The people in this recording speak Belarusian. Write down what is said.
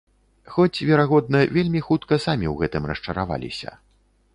Хоць, верагодна, вельмі хутка самі ў гэтым расчараваліся.